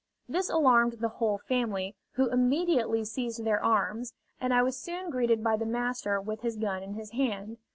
This alarmed the whole family, who immediately seized their arms, and I was soon greeted by the master with his gun in his hand.